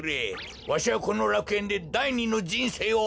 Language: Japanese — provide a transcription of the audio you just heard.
わしはこのらくえんでだい２のじんせいをおくる。